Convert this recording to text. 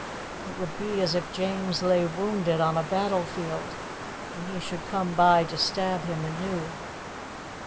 It would be as if James lay wounded on a battle field and he should come by to stab him anew.